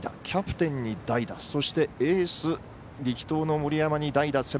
キャプテンに代打そして、エース力投の森山に代打。